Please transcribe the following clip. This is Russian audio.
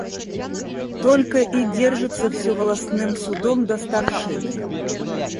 Только и держится всё волостным судом да старшиной.